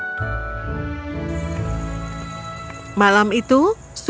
tenang temukan franz dulu